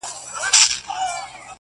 o ستا هره گيله مي لا په ياد کي ده.